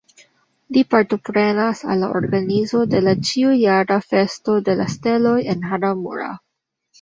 Li partoprenas al la organizo de la ĉiujara Festo de la Steloj en Hara-mura.